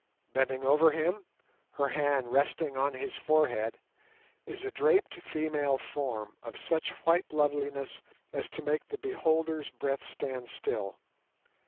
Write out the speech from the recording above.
Bending over him, her hand resting on his forehead, is a draped female form of such white loveliness as to make the beholder's breath stand still.